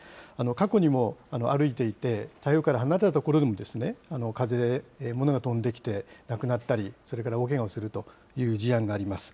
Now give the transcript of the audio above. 過去にも歩いていて、台風から離れた所でも、風で物が飛んできて亡くなったり、それから大けがをするという事案があります。